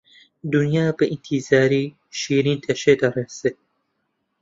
دونیا بە ئیتیزاری، شیرین تەشی دەڕێسێ